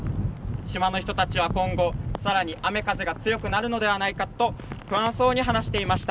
島の人たちは今後更に雨風が強くなるのではないかと不安そうに話していました。